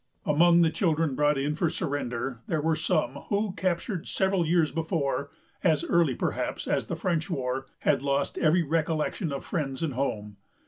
Among the children brought in for surrender, there were some, who, captured several years before, as early, perhaps, as the French war, had lost every recollection of friends and home.